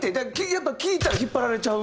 やっぱ聴いたら引っ張られちゃう？